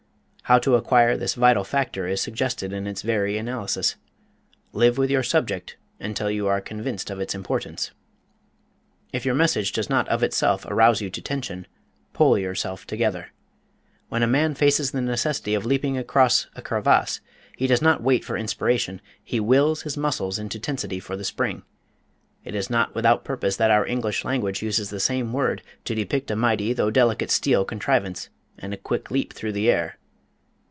How to acquire this vital factor is suggested in its very analysis: Live with your subject until you are convinced of its importance. If your message does not of itself arouse you to tension, PULL yourself together. When a man faces the necessity of leaping across a crevasse he does not wait for inspiration, he wills his muscles into tensity for the spring it is not without purpose that our English language uses the same word to depict a mighty though delicate steel contrivance and a quick leap through the air.